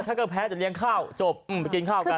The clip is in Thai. ถ้าก็แพ้จะเลี้ยงข้าวจบไปกินข้าวกัน